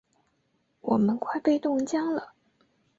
我们快被冻僵了！